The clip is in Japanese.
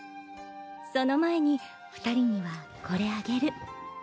その前に２人にはこれあげる。